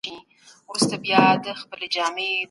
سرو کرویات د بدن لپاره اکسیجن لېږدوي.